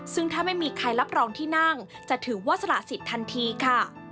ซึ่งถ้าไม่มีใครรับรองที่นั่งจะถือว่าสละสิทธิ์ทันทีค่ะ